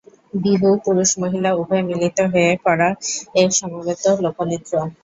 বিহু পুরুষ-মহিলা উভয়ে মিলিত হয়ে করা এক সমবেত লোকনৃত্য।